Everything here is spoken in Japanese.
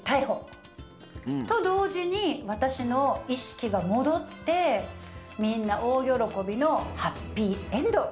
と同時に私の意識が戻ってみんな大喜びのハッピーエンド。